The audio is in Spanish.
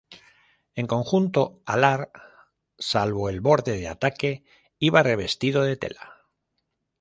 El conjunto alar, salvo el borde de ataque, iba revestido de tela.